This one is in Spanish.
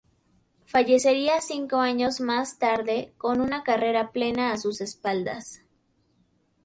Fallecería cinco años más tarde, con una carrera plena a sus espaldas.